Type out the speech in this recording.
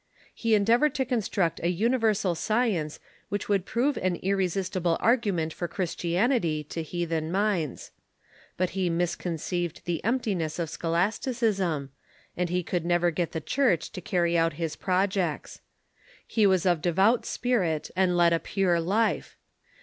He endeavored to construct a universal sci ence Avhich would prove an irresistible argument for Chris tianity to heathen minds. But he misconceived the emptiness of scholasticism, and he could never get the Church to carry out his projects. He was of devout spirit and led a pure life.